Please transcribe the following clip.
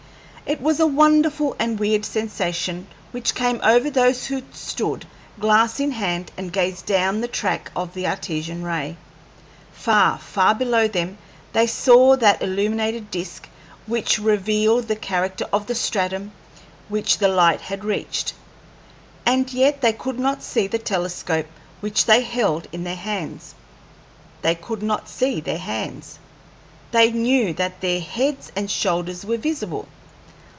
It was a wonderful and weird sensation which came over those who stood, glass in hand, and gazed down the track of the Artesian ray. Far, far below them they saw that illuminated disk which revealed the character of the stratum which the light had reached. And yet they could not see the telescope which they held in their hands; they could not see their hands; they knew that their heads and shoulders were invisible.